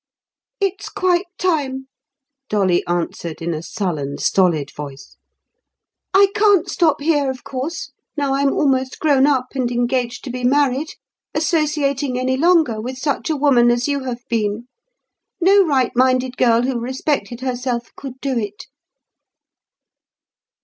"It's quite time," Dolly answered, in a sullen, stolid voice. "I can't stop here, of course, now I'm almost grown up and engaged to be married, associating any longer with such a woman as you have been. No right minded girl who respected herself could do it."